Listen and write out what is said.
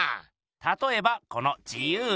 たとえばこの自由の女神。